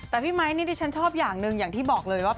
แต่พี่ไมค์นี่ดิฉันชอบอย่างหนึ่งอย่างที่บอกเลยว่า